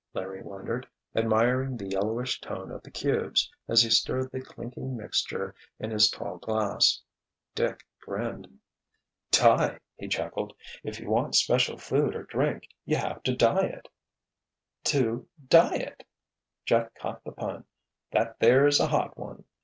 Larry wondered, admiring the yellowish tone of the cubes, as he stirred the clinking mixture in his tall glass. Dick grinned. "Dye!" he chuckled. "If you want special food or drink you have to dye it!" "To diet!" Jeff caught the pun. "That there's a hot one!"